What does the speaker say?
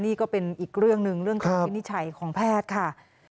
นี่ก็เป็นอีกเรื่องหนึ่งเรื่องคำวินิจฉัยของแพทย์ค่ะ